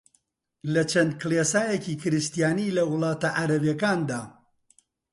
لە چەند کڵێسایەکی کریستیانی لە وڵاتە عەرەبییەکاندا